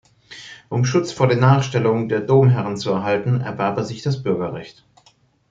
Um Schutz vor den Nachstellungen der Domherren zu erhalten, erwarb er sich das Bürgerrecht.